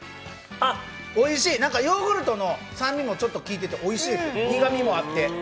あ、おいしい、ヨーグルトの酸味もちょっと効いてておいしいです、苦みもあって。